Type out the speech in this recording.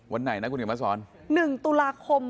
วันไหนคุณเห็นมาสอนหนึ่งตุลาคม๖๕